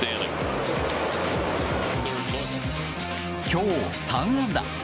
今日３安打。